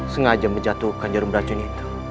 sengaja menjatuhkan jarum beracun itu